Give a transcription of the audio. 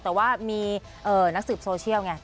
แต่ว่ามีนักสืบโซเชียลไง